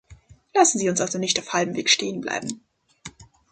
Lassen Sie uns also nicht auf halbem Wege stehen bleiben.